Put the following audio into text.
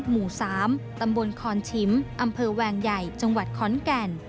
หมู่๓ตำบลคอนชิมอำเภอแวงใหญ่จังหวัดขอนแก่น